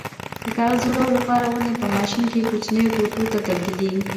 د کاغذ جوړولو لپاره ونې په ماشین کې کوچنیو ټوټو ته تبدیلېږي.